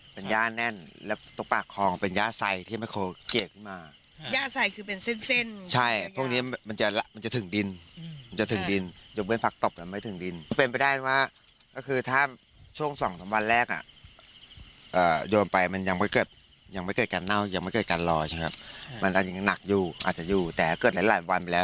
มันอาจจะยังหนักอยู่อาจจะอยู่แต่เกิดหลายวันไปแล้ว